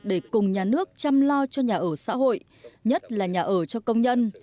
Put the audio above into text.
để cùng nhà nước chăm lo cho nhà ở xã hội nhất là nhà ở cho công nhân